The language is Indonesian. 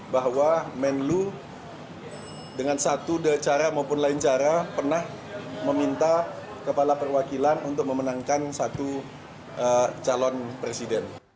bahwa menlu dengan satu cara maupun lain cara pernah meminta kepala perwakilan untuk memenangkan satu calon presiden